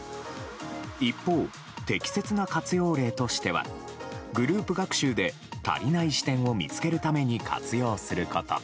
一方、適切な活用例としてはグループ学習で足りない視点を見つけるために活用すること。